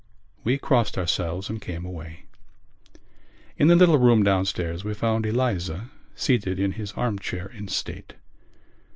We blessed ourselves and came away. In the little room downstairs we found Eliza seated in his arm chair in state.